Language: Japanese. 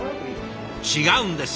違うんです